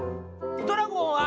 「ドラゴンは？」。